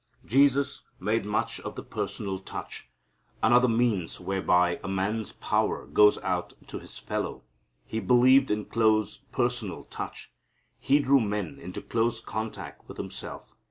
Jesus made much of the personal touch, another means whereby a man's power goes out to his fellow. He believed in close personal touch. He drew men into close contact with Himself.